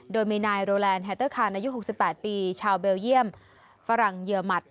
โดยมีนายโรแลนดแฮเตอร์คานอายุ๖๘ปีชาวเบลเยี่ยมฝรั่งเยือหมัด